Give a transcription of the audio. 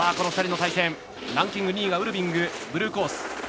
ランキング２位はウルビングブルーコース。